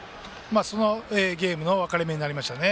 それがゲームの分かれ目になりました。